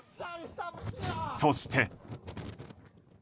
そして。